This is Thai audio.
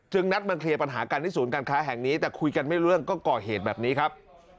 นัดมาเคลียร์ปัญหากันที่ศูนย์การค้าแห่งนี้แต่คุยกันไม่รู้เรื่องก็ก่อเหตุแบบนี้ครับ